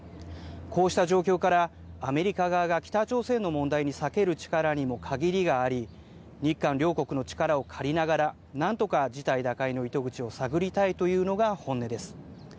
こうした状況から、アメリカ側が北朝鮮の問題に割ける力にも限りがあり、日韓両国の力を借りながら、なんとか事態打開の糸口を探りたいというのが本音です。